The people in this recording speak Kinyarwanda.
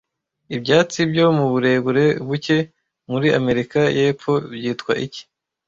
Ibyatsi byo mu burebure buke muri Amerika yepfo byitwa iki